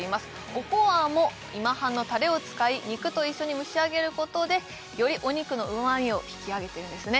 おこわも今半のたれを使い肉と一緒に蒸し上げることでよりお肉のうまみを引き上げてるんですね